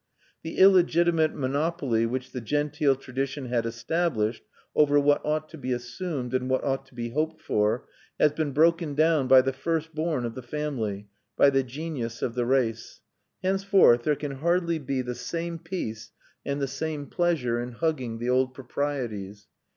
The illegitimate monopoly which the genteel tradition had established over what ought to be assumed and what ought to be hoped for has been broken down by the first born of the family, by the genius of the race. Henceforth there can hardly be the same peace and the same pleasure in hugging the old proprieties.